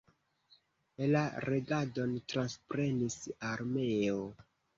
La regadon transprenis armeo.